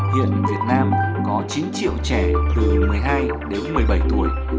hiện việt nam có chín triệu trẻ từ một mươi hai đến một mươi bảy tuổi